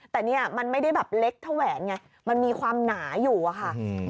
แต่เนี่ยมันไม่ได้แบบเล็กเท่าแหวนไงมันมีความหนาอยู่อะค่ะ